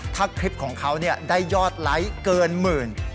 ถ้าคลิปของเขาได้ยอดไลค์เกินหมื่น